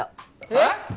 えっ？